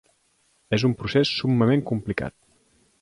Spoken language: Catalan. És un procés summament complicat.